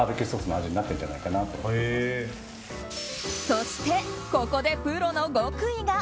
そして、ここでプロの極意が。